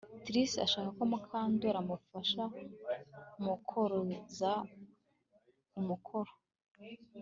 Trix arashaka ko Mukandoli amufasha mukoroza umukoro